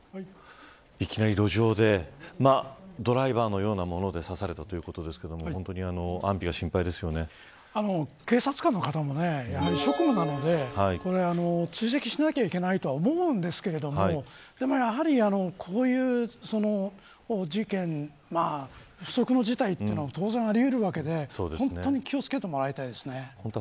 いきなり路上でドライバーのようなもので刺されたということですけど警察官の方も職務なので追跡しなきゃいけないとは思うんですけどでもやはり、こういう事件不測の事態というのは当然あり得るわけで本当に気を付けてもらいたいですね。